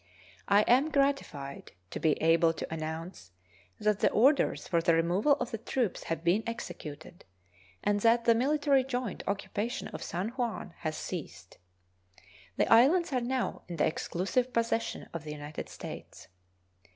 I am gratified to be able to announce that the orders for the removal of the troops have been executed, and that the military joint occupation of San Juan has ceased. The islands are now in the exclusive possession of the United States.